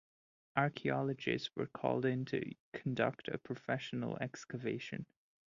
Archeologists were called in to conduct a professional excavation.